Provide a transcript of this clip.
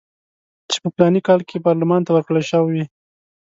چې په فلاني کال کې پارلمان ته ورکړل شوي.